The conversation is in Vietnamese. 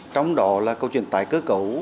trong đó là câu chuyện tài cơ cấu